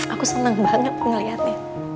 aku seneng banget ngeliatin